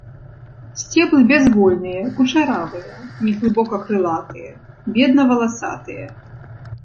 Сцеблы бязвольныя, кучаравыя, неглыбока крылатыя, бедна валасатыя.